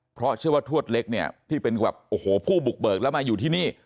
เพราะเชื่อว่าทวดเล็กเนี่ยที่เป็นแบบโอ้โหผู้บุกเบิกแล้วมาอยู่ที่นี่